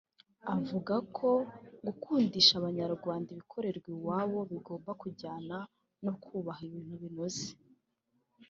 avuga ko gukundisha Abanyarwanda ibikorerwa iwabo bigomba kujyana no kubaha ibintu binoze